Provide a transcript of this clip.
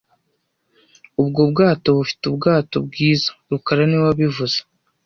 Ubwo bwato bufite ubwato bwiza rukara niwe wabivuze